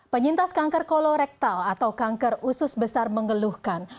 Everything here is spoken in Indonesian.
penyintas kanker kolorektal atau kanker usus besar mengeluhkan